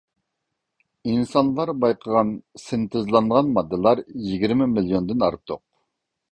ئىنسانلار بايقىغان سىنتېزلانغان ماددىلار يىگىرمە مىليوندىن ئارتۇق.